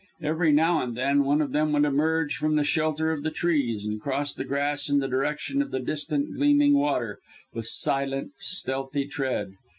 Every now and then, one of them would emerge from the shelter of the trees, and cross the grass in the direction of the distant, gleaming water, with silent, stealthy tread.